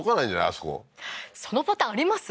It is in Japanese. あそこそのパターンあります？